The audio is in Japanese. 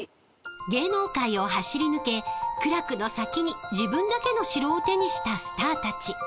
［芸能界を走りぬけ苦楽の先に自分だけの城を手にしたスターたち］